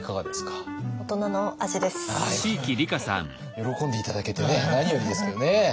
喜んで頂けてね何よりですけどね。